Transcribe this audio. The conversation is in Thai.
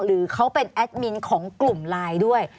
หรือเขาเป็นแอดมินของกลุ่มไลน์ด้วย